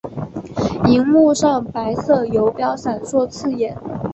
萤幕上白色游标闪烁刺眼